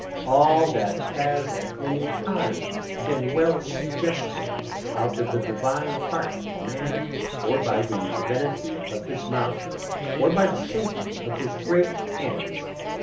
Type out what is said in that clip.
all that has at any time been well suggested out of the divine heart of man or by the divinity of his mouth or by the shaping of his great hands